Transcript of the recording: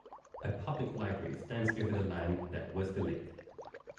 A public library stands over the land that was the lake.